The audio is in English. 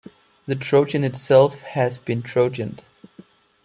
The Trojan itself has been Trojaned.